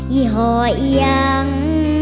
อย่าหอยยัง